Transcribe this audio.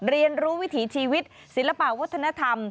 เรียนรู้วิถีชีวิตศิลปะวัฒนธรรม